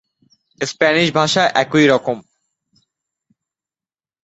Spanish ভাষা একই রকম।